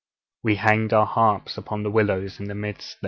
'_We hanged our harps upon the willows in the midst thereof.